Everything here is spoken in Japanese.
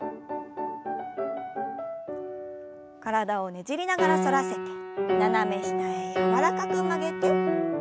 体をねじりながら反らせて斜め下へ柔らかく曲げて。